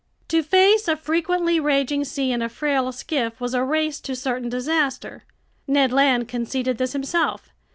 To face a frequently raging sea in a frail skiff was a race to certain disaster. Ned Land conceded this himself.